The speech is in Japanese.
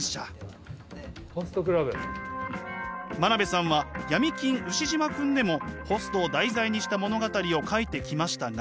真鍋さんは「闇金ウシジマくん」でもホストを題材にした物語を描いてきましたが。